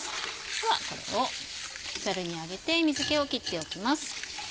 ではこれをザルに上げて水気を切っておきます。